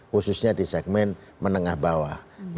khususnya di segmen menengah bawah